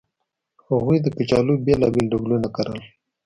هغوی د کچالو بېلابېل ډولونه کرل